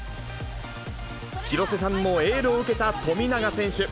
広瀬さんのエールを受けた富永選手。